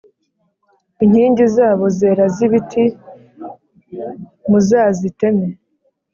inkingi zabo zera z’ibiti muzaziteme,